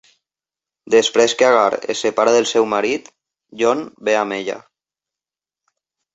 Després que Agar es separa del seu marit, John ve amb ella.